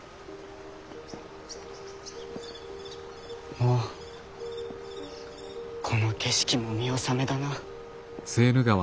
もうこの景色も見納めだな。